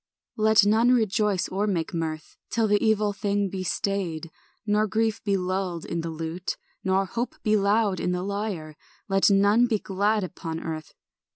Let none rejoice or make mirth Till the evil thing be stayed, Nor grief be lulled in the lute, Nor hope be loud on the lyre; Let none be glad upon earth.